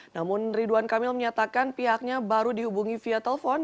namun ridwan kamil menyatakan pihaknya baru dihubungi via telepon